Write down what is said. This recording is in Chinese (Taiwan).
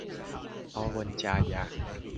高溫加壓